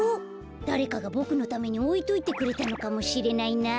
だれかがボクのためにおいといてくれたのかもしれないな。